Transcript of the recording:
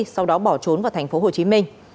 sau đó bỏ trốn vào thành phố hồ chí minh